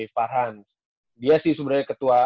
farhan dia sih sebenarnya ketua